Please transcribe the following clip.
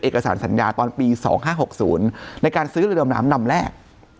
เอกสารสัญญาตอนปี๒๕๖๐ในการซื้อเรือดำน้ำลำแรก